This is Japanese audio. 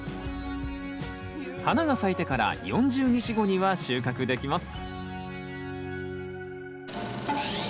花が咲いてから４０日後には収穫できます。